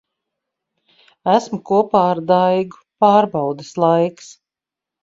Esmu kopā ar Daigu. Pārbaudes laiks.